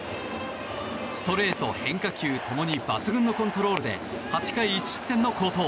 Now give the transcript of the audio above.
ストレート、変化球共に抜群のコントロールで８回１失点の好投。